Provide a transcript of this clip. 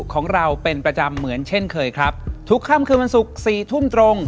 ของเราเป็นประจำเหมือนเช่นเคยครับทุกค่ำคืนวันศุกร์สี่ทุ่มตรง